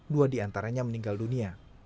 dua diantaranya meninggal dunia